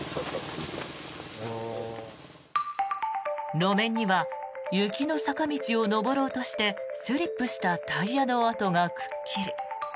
路面には雪の坂道を上ろうとしてスリップしたタイヤの跡がくっきり。